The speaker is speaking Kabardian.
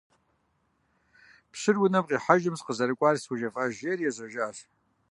Пщыр унэм къихьэжым сыкъызэрыкӀуар схужефӏэж, жиӀэри ежьэжащ.